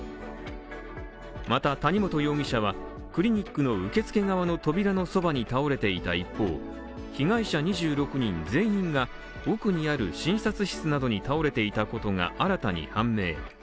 また谷本容疑者はクリニックの受付側の扉の側に倒れていた一方被害者２６人全員が奥にある診察室などに倒れていたことが新たに判明。